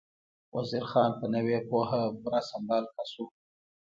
وزیر خان په نوې پوهه پوره سمبال کس و.